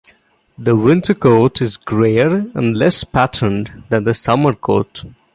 The winter coat is greyer and less patterned than the summer coat.